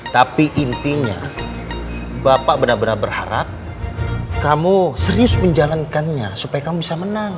tapi intinya bapak benar benar berharap kamu serius menjalankannya supaya kamu bisa menang